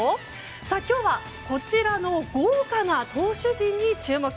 今日はこちらの豪華な投手陣に注目。